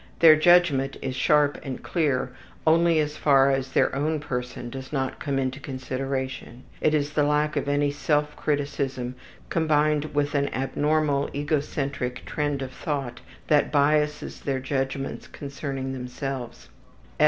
Their judgment is sharp and clear only as far as their own person does not come into consideration. It is the lack of any self criticism combined with an abnormal egocentric trend of thought that biases their judgments concerning themselves.